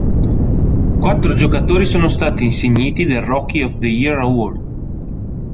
Quattro giocatori sono stati insigniti del Rookie of the Year Award.